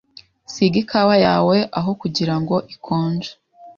Siga ikawa yawe aho kugirango ikonje.